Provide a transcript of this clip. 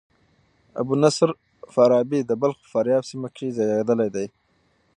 ابو نصر فارابي د بلخ په فاریاب سیمه کښي زېږېدلى دئ.